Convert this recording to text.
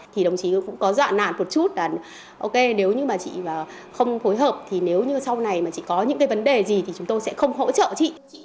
thì đồng chí cũng có dọa nản một chút là ok nếu như mà chị không phối hợp thì nếu như sau này mà chị có những cái vấn đề gì thì chúng tôi sẽ không hỗ trợ chị